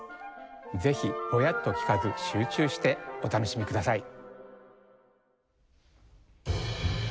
ぜひボヤッと聞かず集中してお楽しみください。